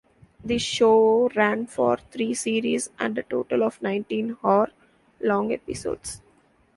The show ran for three series and a total of nineteen hour-long episodes.